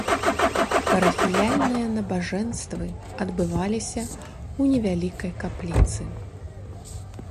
Парафіяльныя набажэнствы адбываліся ў невялікай капліцы.